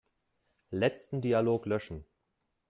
Letzten Dialog löschen.